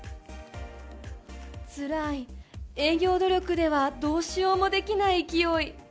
つらい、営業努力ではどうしようもできない勢い。